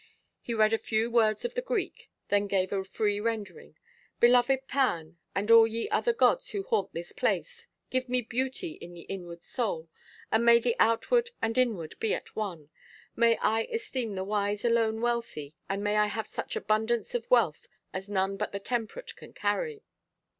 He read a few words of the Greek, then gave a free rendering. 'Beloved Pan, and all ye other gods who haunt this place, give me beauty in the inward soul; and may the outward and inward be at one. May I esteem the wise alone wealthy, and may I have such abundance of wealth as none but the temperate can carry.